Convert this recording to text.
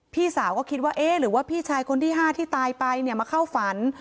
พี่สาวก็คิดว่าเอ๊ะหรือว่าพี่ชายคนที่๕ที่ตายไปเนี่ยมาเข้าฝัน